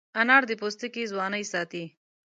انار د پوستکي ځوانۍ ساتي.